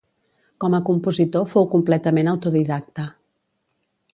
Com a compositor fou completament autodidacte.